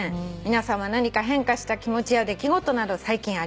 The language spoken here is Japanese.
「皆さんは何か変化した気持ちや出来事など最近ありましたか？」